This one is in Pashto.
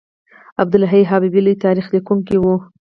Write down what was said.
عبدالحی حبیبي لوی تاریخ لیکونکی و.